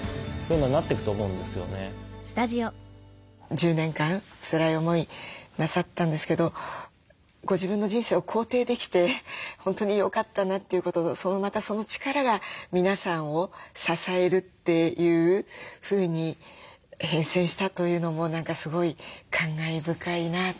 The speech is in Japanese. １０年間つらい思いなさったんですけどご自分の人生を肯定できて本当によかったなということとまたその力が皆さんを支えるというふうに変遷したというのも何かすごい感慨深いなと。